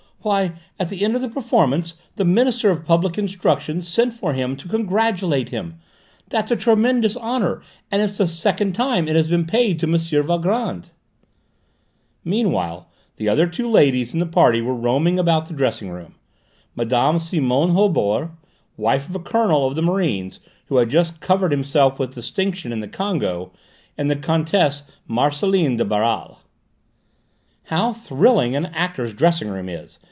Why, at the end of the performance the Minister of Public Instruction sent for him to congratulate him! That's a tremendous honour, and it's the second time it has been paid to M. Valgrand." Meanwhile the other two ladies in the party were roaming about the dressing room: Mme. Simone Holbord, wife of a colonel of the Marines who had just covered himself with distinction in the Congo, and the Comtesse Marcelline de Baral. "How thrilling an actor's dressing room is!"